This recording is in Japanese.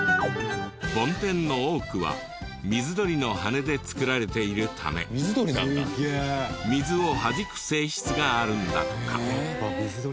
梵天の多くは水鳥の羽根で作られているため水をはじく性質があるんだとか。